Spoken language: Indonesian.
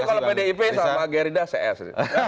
sama dip sama gerida cs